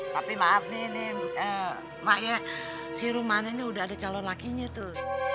tapi maaf nih emak ya si rumahannya udah ada calon lakinya tuh